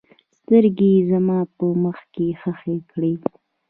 سترګې یې زما په مخ کې ښخې کړې.